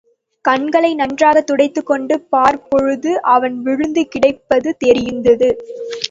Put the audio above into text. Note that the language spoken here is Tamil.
கண்களை நன்றாகத் துடைத்துக் கொண்டு பார்த்தபொழுது அவன் விழுந்து கிடப்பது தெரிந்தது.